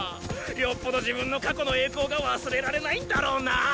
よっぽど自分の過去の栄光が忘れられないんだろうなあ！